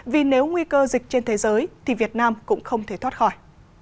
vì nếu nguy cơ dịch trên thế giới thì việt nam cũng không thể thoát khỏi